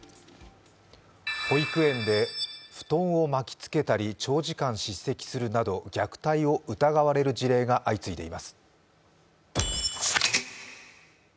保育園で布団を巻き付けたり長時間叱責するなど虐待を疑われる事例が相次いでいます。